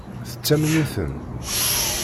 Tettamen-iten?